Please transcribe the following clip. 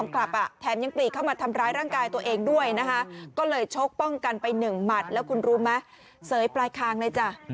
กระทั่งไปตามญาติของชายที่เมาเนี่ยตามมานะฮะ